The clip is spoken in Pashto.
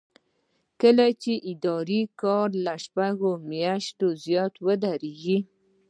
کله چې د ادارې کار له شپږو میاشتو زیات ودریږي.